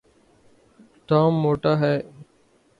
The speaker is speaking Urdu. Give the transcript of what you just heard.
ٹام موٹا ہے